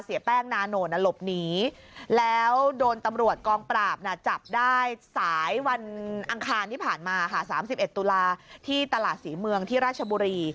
ที่ตลาดศรีเมืองที่ราชบุรี